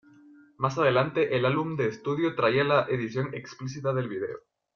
Más adelante el álbum de estudio traía la edición "explícita" del vídeo.